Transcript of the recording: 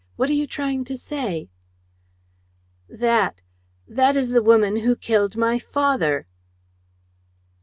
What are you trying to say?" "That ... that is the woman who killed my father!"